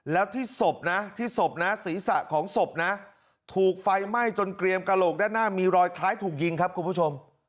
แล้วที่ศพนะที่ศพนะศีรษะของศพนะถูกไฟไหม้จนเกรียมกระโหลกด้านหน้ามีรอยคล้ายถูกยิงครับคุณผู้ชม